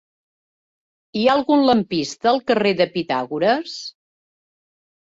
Hi ha algun lampista al carrer de Pitàgores?